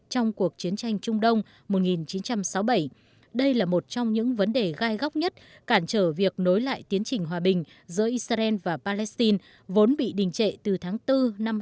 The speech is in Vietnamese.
trong cuộc chiến tranh trung đông một nghìn chín trăm sáu mươi bảy đây là một trong những vấn đề gai góc nhất cản trở việc nối lại tiến trình hòa bình giữa israel và palestine vốn bị đình trệ từ tháng bốn năm hai nghìn một mươi ba